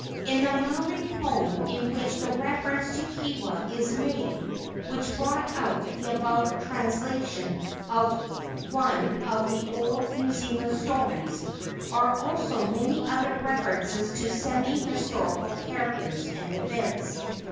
In the Maori poem in which the reference to Kewa is made which brought out the above translation of one of the old New Zealand stories are also many other references to semi historical characters and events.